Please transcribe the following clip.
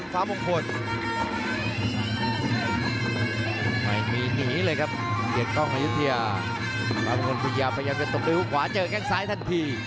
ฟ้าบังคลพยายามเป็นตกลิ้วขวาเจอแกล้งซ้ายทันที